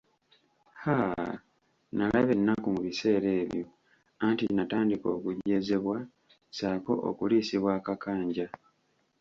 Haaa! Nalaba ennaku mu biseera ebyo anti natandika okujeezebwa, ssaako okuliisibwa akakanja.